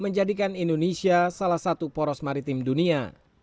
menjadikan indonesia salah satu poros maritim dunia